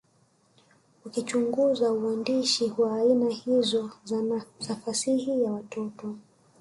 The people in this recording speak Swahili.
ukichunguza uandishi wa aina hizo za fasihi ya watoto